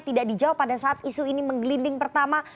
tidak dijawab pada saat isu ini menggelinding pertama